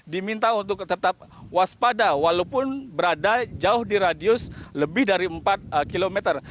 diminta untuk tetap waspada walaupun berada jauh di radius lebih dari empat kilometer